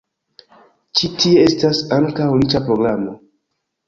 Ĉi tie estas ankaŭ riĉa programo.